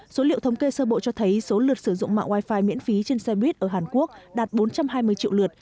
số liệu thống kê sơ bộ cho thấy số lượt sử dụng mạng wifi miễn phí trên xe buýt ở hàn quốc đạt bốn trăm hai mươi triệu lượt